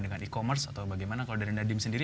dengan e commerce atau bagaimana kalau dari nadiem sendiri